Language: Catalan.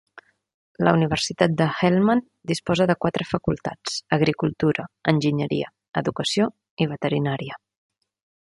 La Universitat de Helmand disposa de quatre facultats: agricultura, enginyeria, educació i veterinària.